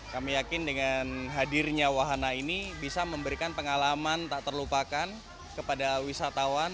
kami yakin dengan hadirnya wahana ini bisa memberikan pengalaman tak terlupakan kepada wisatawan